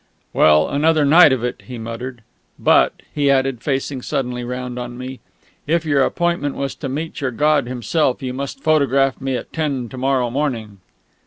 "Well, another night of it," he muttered; "but," he added, facing suddenly round on me, "if your appointment was to meet your God Himself, you must photograph me at ten to morrow morning!"